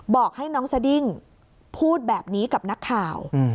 บอกให้น้องสดิ้งพูดแบบนี้กับนักข่าว